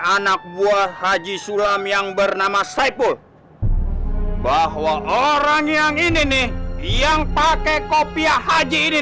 anak buah haji sulam yang bernama saipul bahwa orang yang ini nih yang pakai kopiah haji ini